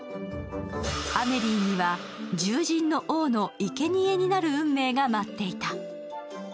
アメリーには獣人の王の生贄になる運命が待っていた。